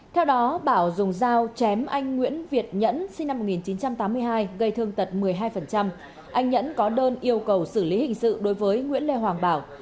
theo đó bảo dùng dao chém anh nguyễn việt nhẫn sinh năm một nghìn chín trăm tám mươi hai gây thương tật một mươi hai anh nhẫn có đơn yêu cầu xử lý hình sự đối với nguyễn lê hoàng bảo